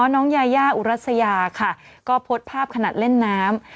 น้องยายาอุรัสยาค่ะก็โพสต์ภาพขนาดเล่นน้ำ